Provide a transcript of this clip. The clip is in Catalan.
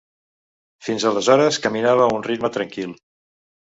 Fins aleshores caminava a un ritme tranquil.